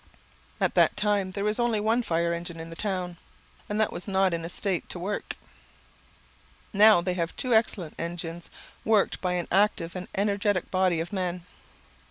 At that time there was only one fire engine in the town, and that was not in a state to work. Now they have two excellent engines, worked by an active and energetic body of men.